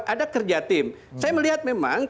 ada kerja tim saya melihat memang